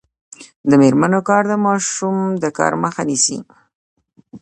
د میرمنو کار د ماشوم کار مخه نیسي.